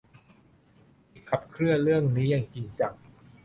ที่ขับเคลื่อนเรื่องนี้อย่างจริงจัง